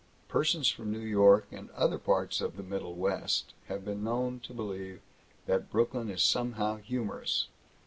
Persons from New York and other parts of the Middlewest have been known to believe that Brooklyn is somehow humorous.